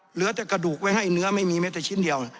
เหลือแต่กระดูกไว้ให้เนื้อไม่มีแม้แต่ชิ้นเดียว